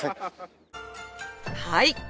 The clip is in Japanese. はい。